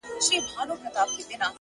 هره پوښتنه نوې دروازه پرانیزي،